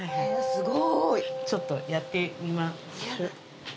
すごいちょっとやってみます？